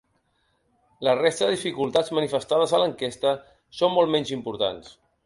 La resta de dificultats manifestades a l’enquesta són molt menys importants.